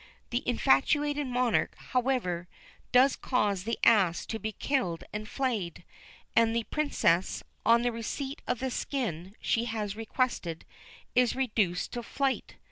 The infatuated Monarch, however, does cause the ass to be killed and flayed, and the Princess, on the receipt of the skin she has requested, is reduced to flight.